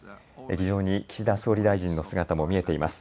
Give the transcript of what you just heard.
議場に岸田総理大臣の姿も見えています。